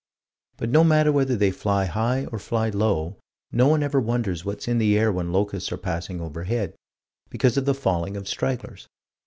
But no matter whether they fly high or fly low, no one ever wonders what's in the air when locusts are passing overhead, because of the falling of stragglers.